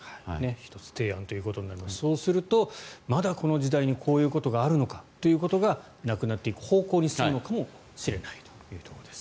１つ提案ということなのでそうすると、まだこの時代にこういうことがあるのかということがなくなっていく方向に進むのかもしれないというところです。